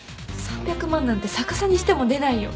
３００万なんて逆さにしても出ないよ